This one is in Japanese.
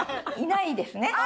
いないですね！